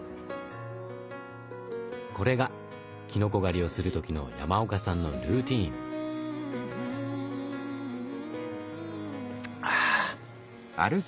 これがきのこ狩りをする時の山岡さんのルーティーン。ああ。